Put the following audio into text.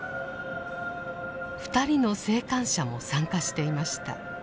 ２人の生還者も参加していました。